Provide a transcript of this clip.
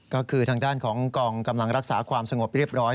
ก็คือทางด้านของกองกำลังรักษาความสงบเรียบร้อย